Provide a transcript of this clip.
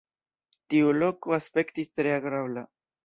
Tiu loko aspektis tre agrabla..